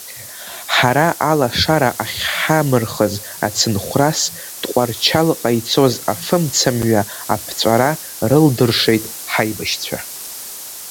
Ҳара алашара ахьҳамырхыз ацынхәрас Тҟәарчалҟа ицоз афымцамҩа аԥҵәара рылдыршеит ҳаибашьцәа.